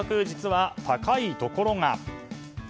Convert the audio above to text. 実は高いところが。